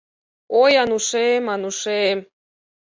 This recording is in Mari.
Ой, Анушем, Анушем!